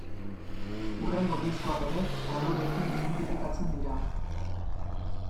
Hurrengo diskoak ere koloreekin identifikatzen dira.